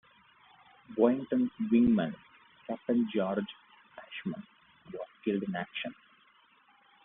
Boyington's wingman, Captain George Ashmun, was killed in action.